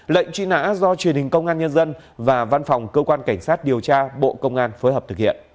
lệnh truy nã do truyền hình công an nhân dân và văn phòng cơ quan cảnh sát điều tra bộ công an phối hợp thực hiện